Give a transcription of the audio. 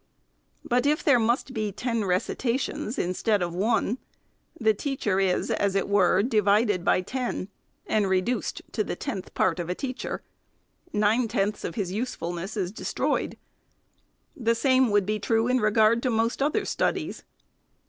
But if there must be ten recitations, instead of one, the teacher is, as it were, divided by ten, and re duced to the tenth part of a teacher. Nine tenths of his usefulness is destroyed. The same would be true in re gard to most other studies.